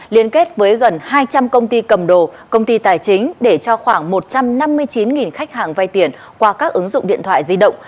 liên kết với gần hai trăm linh công ty cầm đồ công ty tài chính để cho khoảng một trăm năm mươi chín khách hàng vay tiền qua các ứng dụng điện thoại di động